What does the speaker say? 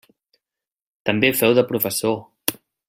També feu de professor.